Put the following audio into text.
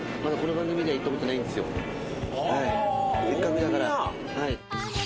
せっかくだから。